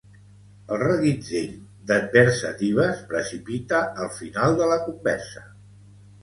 El reguitzell d'adversatives precipita el final de la conversa.